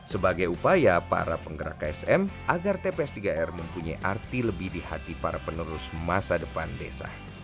sebagai upaya para penggerak ksm agar tps tiga r mempunyai arti lebih di hati para penerus masa depan desa